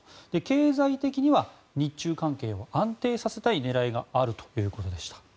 経済的には日中関係を安定させたい狙いがあるということでした。